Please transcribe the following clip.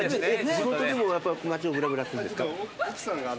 地元でも街をぶらぶらすんですか？